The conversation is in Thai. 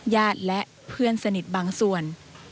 ญาติและเพื่อนสนิทบางส่วน